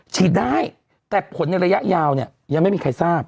ฉีดได้แต่ผลในระยะยาวเนี่ยยังไม่มีใครทราบ